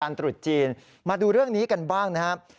ตรุษจีนมาดูเรื่องนี้กันบ้างนะครับ